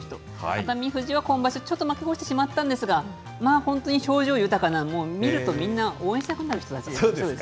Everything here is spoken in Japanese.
熱海富士は今場所、負け越してしまったんですが、本当に表情豊かな見るとみんな応援したくなる人たちです。